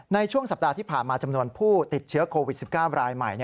ในช่วงสัปดาห์ที่ผ่านมาจำนวนผู้ติดเชื้อโควิด๑๙รายใหม่